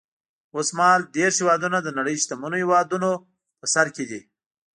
اوس مهال دېرش هېوادونه د نړۍ شتمنو هېوادونو په سر کې دي.